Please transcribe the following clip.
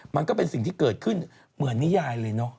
มันก็เป็นสิ่งที่เกิดขึ้นเหมือนนิยายเลยเนอะ